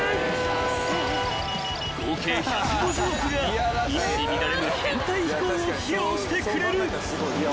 ［合計１５０億が一糸乱れぬ編隊飛行を披露してくれる］